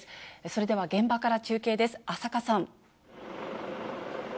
それでは現場から中継です、浅賀さん。